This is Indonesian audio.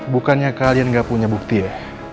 bukannya kalian gak punya bukti ya